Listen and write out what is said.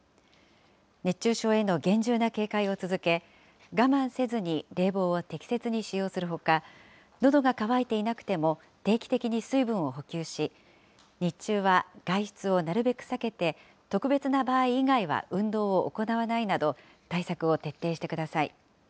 熱中症への厳重な警戒を続け、我慢せずに冷房を適切に使用するほか、のどが渇いていなくても定期的に水分を補給し、日中は外出をなるべく避けて、特別な場合以外は運動を行わないなど、対策を徹底してください。